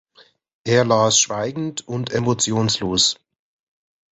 Er las schweigend und emotionslos.